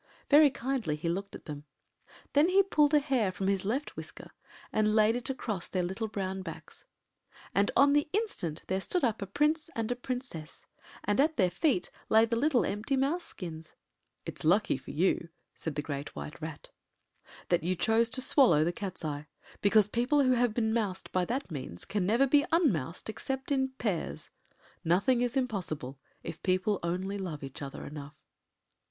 Very kindly he looked at them. Then he pulled a hair from his left whisker and laid it across their little brown backs. And on the instant there stood up a Prince and a Princess and at their feet lay the little empty mouse skins. [Illustration: THERE STOOD UP A PRINCE AND A PRINCESS.] “It’s lucky for you,” said the Great White Rat, “that you chose to swallow the Cat’s eye, because people who have been moused by that means can never be un moused except in pairs. Nothing is impossible if people only love each other enough.